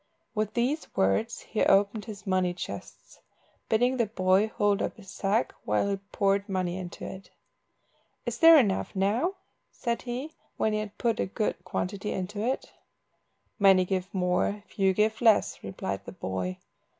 With these words he opened his money chests, bidding the boy hold up his sack while he poured money into it. "Is there enough now?" said he, when he had put a good quantity into it. "Many give more, few give less," replied the boy.